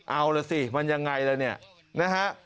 เอาล่ะสิมันยังไงล่ะเนี่ยนะฮะ